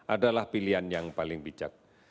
adalah pilihan yang paling bijak